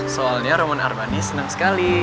soalnya roman arbani seneng sekali